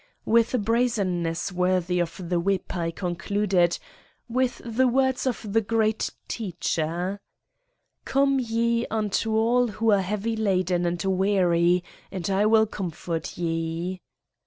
With a brazenness worthy of the whip I concluded "with the words of the Great Teacher ": "Come ye unto me all who are heavy laden and weary and I will comfort ye